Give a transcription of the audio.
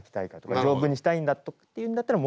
丈夫にしたいんだっていうんだったらもっと。